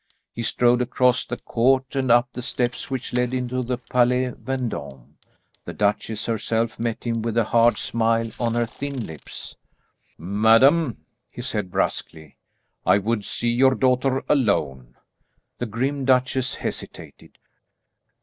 He strode across the court and up the steps which led into the Palais Vendôme. The duchess herself met him with a hard smile on her thin lips. "Madam," he said bruskly, "I would see your daughter alone." The grim duchesse hesitated.